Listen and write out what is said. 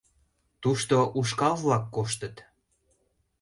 Тушто ушкал-влак коштыт.